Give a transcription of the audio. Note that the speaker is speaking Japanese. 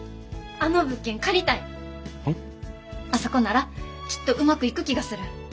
あそこならきっとうまくいく気がする。